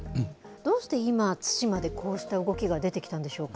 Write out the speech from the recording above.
どうして今、対馬でこうした動きが出てきたんでしょうか。